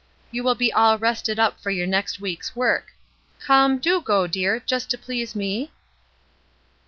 You will be all rested up for your next week's work; come, do go, dear, just to please me."